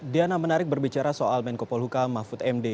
diana menarik berbicara soal menko polhuka mahfud md